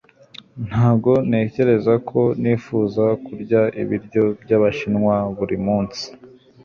Ntabwo ntekereza ko nifuza kurya ibiryo byabashinwa buri munsi